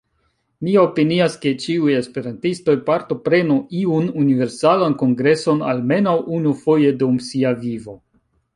Mi opinias ke ĉiuj esperantistoj partoprenu iun Universalan Kongreson almenaŭ unufoje dum sia vivo.